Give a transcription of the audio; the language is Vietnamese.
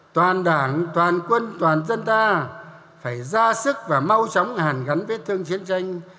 toàn đảng toàn quân toàn dân ta phải ra sức và mau chóng hàn gắn với thương chiến tranh